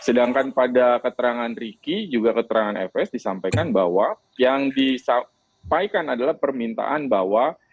sedangkan pada keterangan ricky juga keterangan fs disampaikan bahwa yang disampaikan adalah permintaan bahwa